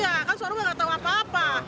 iya kan sorumnya nggak tahu apa apa